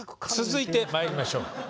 続いてまいりましょう。